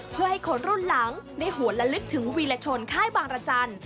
เพื่อให้คนรุ่นหลังได้หวนละลึกถึงวีรชนค่ายบางรจันทร์